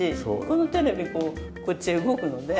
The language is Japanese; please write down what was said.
このテレビこうこっちへ動くので。